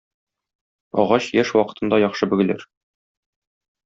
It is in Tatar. Агач яшь вакытында яхшы бөгелер.